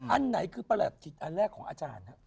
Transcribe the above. อันไหนคือประหลัดจิตอันแรกของอาจารย์ครับ